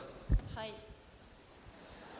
はい。